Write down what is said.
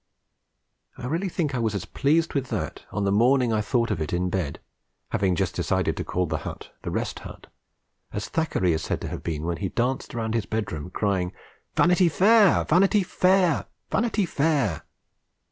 _ I really think I was as pleased with that, on the morning I thought of it in bed (having just decided to call the hut The Rest Hut), as Thackeray is said to have been when he danced about his bedroom crying '"Vanity Fair"! "Vanity Fair"! "Vanity Fair"!'